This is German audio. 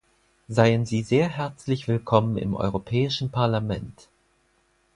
Seien Sie sehr herzlich willkommen im Europäischen Parlament!